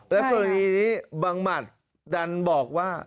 และกรณีนี้บังหมัดดันบอกว่า